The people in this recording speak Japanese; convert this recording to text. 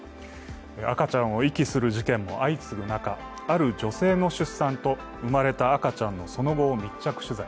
赤ちゃんを遺棄する事件も相次ぐ中ある女性の出産と、生まれた赤ちゃんのその後を密着取材。